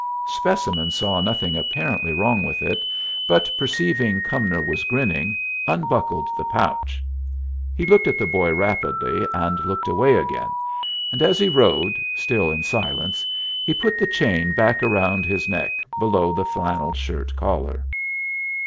Specimen saw nothing apparently wrong with it, but perceiving Cumnor was grinning, unbuckled the pouch. He looked at the boy rapidly, and looked away again, and as he rode, still in silence, he put the chain back round his neck below the flannel shirt collar.